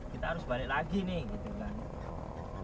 kita harus balik lagi nih gitu kan